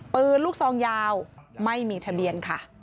ปืนลูกซองยาวไม่มีทะเบียนค่ะ